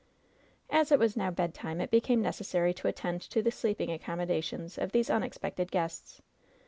As it was now bedtime it became necessary to attend to the sleeping accommodations of these unexpected guests.